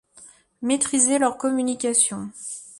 Maîtriser leur communication.